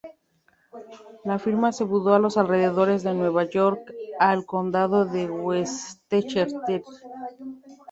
La firma se mudó a los alrededores de Nueva York, al Condado de Westchester.